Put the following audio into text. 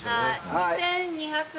２，２００。